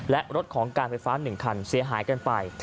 และรถของการไฟฟ้า๑คันเสียหายกันไป